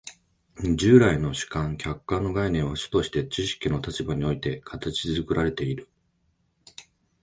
従来の主観・客観の概念は主として知識の立場において形作られている。